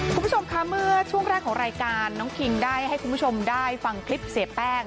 คุณผู้ชมคะเมื่อช่วงแรกของรายการน้องคิงได้ให้คุณผู้ชมได้ฟังคลิปเสียแป้ง